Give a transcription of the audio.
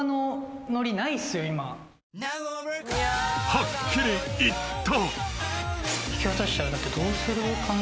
［はっきり言った］